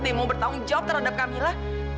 dia mau bertanggung jawab terhadap kamila